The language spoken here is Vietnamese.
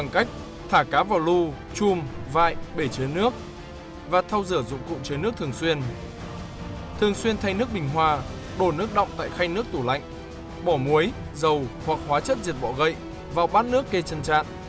khay nước bình hoa đổ nước đọng tại khay nước tủ lạnh bỏ muối dầu hoặc hóa chất diệt bọ gậy vào bát nước kê chân trạn